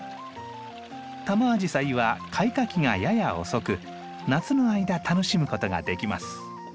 タマアジサイは開花期がやや遅く夏の間楽しむことができます。